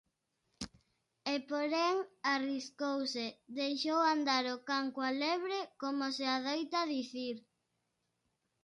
E, porén, arriscouse, deixou andar o can coa lebre, como se adoita dicir.